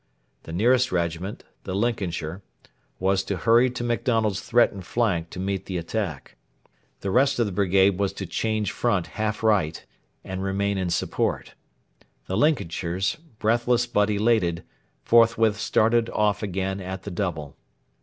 The nearest regiment the Lincolnshire was to hurry to MacDonald's threatened flank to meet the attack. The rest of the brigade was to change front half right, and remain in support. The Lincolnshires, breathless but elated, forthwith started off again at the double.